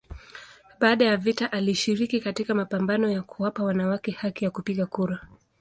Baada ya vita alishiriki katika mapambano ya kuwapa wanawake haki ya kupiga kura.